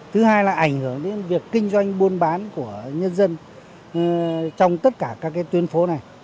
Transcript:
thứ hai là ảnh hưởng đến việc kinh doanh buôn bán của nhân dân trong tất cả các tuyến phố này